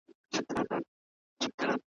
بيا به ګرم کي بزمونه ,